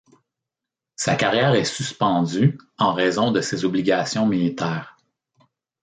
Sa carrière est suspendue en raison de ses obligations militaires.